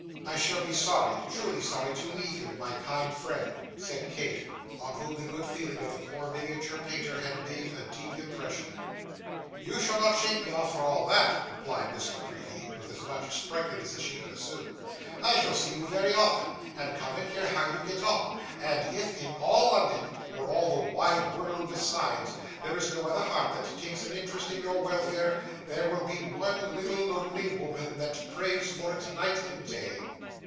'I shall be sorry truly sorry to leave you, my kind friend,' said Kate, on whom the good feeling of the poor miniature painter had made a deep impression. 'You shall not shake me off, for all that,' replied Miss La Creevy, with as much sprightliness as she could assume. 'I shall see you very often, and come and hear how you get on; and if, in all London, or all the wide world besides, there is no other heart that takes an interest in your welfare, there will be one little lonely woman that prays for it night and day.